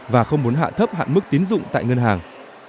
và không muốn hạ thấp hạn mức tiến dụng tại ngân hàng